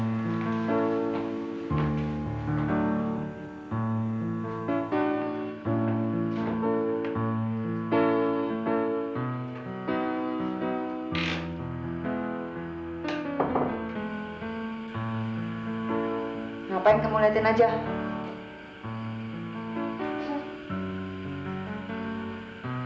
ngapain kamu latihan aja